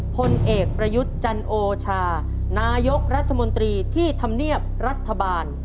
พลเอกประยุทธ์จันโอชานายกรัฐมนตรีที่ทำเนียบรัฐบาล